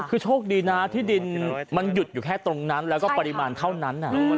คือโชคดีนะที่ดินมันหยุดอยู่แค่ตรงนั้นแล้วก็ปริมาณเท่านั้น